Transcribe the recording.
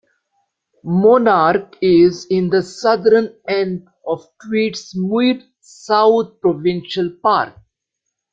Monarch is in the southern end of Tweedsmuir South Provincial Park.